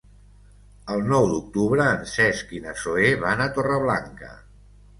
El nou d'octubre en Cesc i na Zoè van a Torreblanca.